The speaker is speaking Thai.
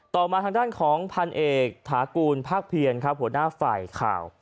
ต่อมาทางด้านของพันเอกถากูลภาคเพียรครับหัวหน้าฝ่ายข่าว